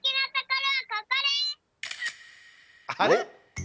あれ？